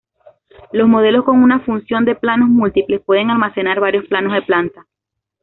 Los modelos con una función de planos múltiples pueden almacenar varios planos de planta.